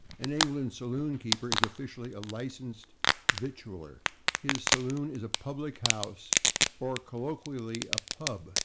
An English saloon keeper is officially a licensed /victualler/. His saloon is a /public house/, or, colloquially, a /pub